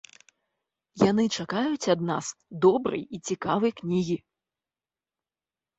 Яны чакаюць ад нас добрай і цікавай кнігі.